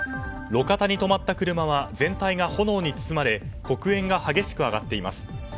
路肩に止まった車は全体が炎に包まれ黒煙が激しく上がっています。